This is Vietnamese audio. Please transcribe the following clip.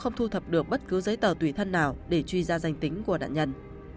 không thu thập được bất cứ giấy tờ tùy thân nào để truy ra danh tính của nạn nhân